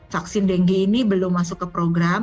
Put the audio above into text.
vaksin dengue ini belum masuk ke program